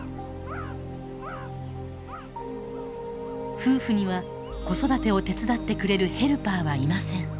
夫婦には子育てを手伝ってくれるヘルパーはいません。